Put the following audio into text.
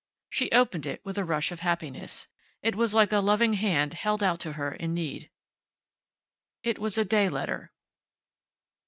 She opened it with a rush of happiness. It was like a loving hand held out to her in need. It was a day letter.